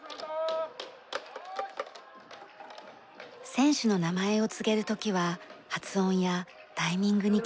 選手の名前を告げる時は発音やタイミングに気をつけます。